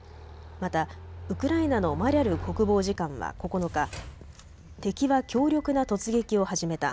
またウクライナのマリャル国防次官は９日敵は強力な突撃を始めた。